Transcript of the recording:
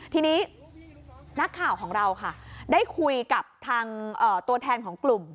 ทีนี้นักข่าวของเราค่ะได้คุยกับทางตัวแทนของกลุ่ม